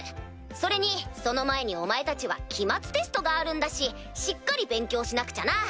それにその前にお前たちは期末テストがあるんだししっかり勉強しなくちゃな！